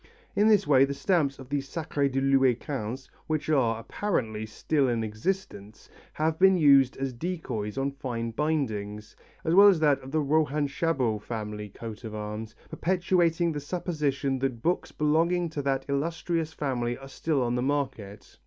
In this way the stamps of the Sacré de Louis XV, which are, apparently, still in existence, have been used as a decoy on fine bindings, as well as that of the Rohan Chabot family coat of arms perpetuating the supposition that books belonging to that illustrious family are still on the market.